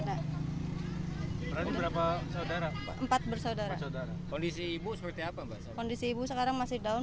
berarti berapa saudara empat bersaudara kondisi ibu seperti apa mbak kondisi ibu sekarang masih down